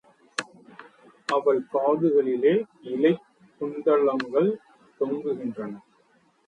அவள் காதுகளிலே இலைக் குண்டலங்கள் தொங்குகின்றன.